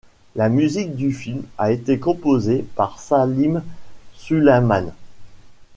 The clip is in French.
La musique du film a été composée par Salim-Sulaiman.